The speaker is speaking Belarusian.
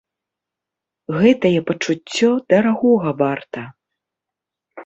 Гэтае пачуццё дарагога варта!